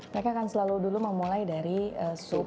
mereka akan selalu dulu memulai dari sup